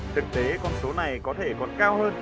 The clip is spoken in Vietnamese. thực tế con số này có thể còn cao hơn